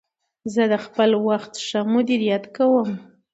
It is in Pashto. زه د خپل وخت ښه مدیریت کوم.